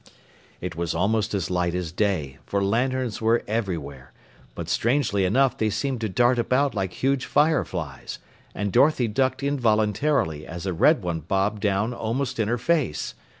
It was almost as light as day, for lanterns were everywhere, but strangely enough they seemed to dart about like huge fireflies, and Dorothy ducked involuntarily as a red one bobbed down almost in her face.